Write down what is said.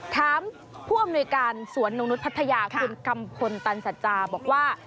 ถามผู้อำนวยการสวนนกนุษย์พัทยาคุณกัมพลตันสัจจาบอกว่า